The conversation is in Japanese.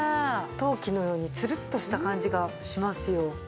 陶器のようにツルッとした感じがしますよ。